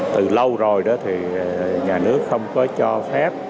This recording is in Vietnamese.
từ lâu rồi nhà nước không có cho phép